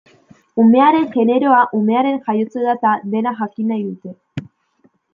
Umearen generoa, umearen jaiotze data, dena jakin nahi dute.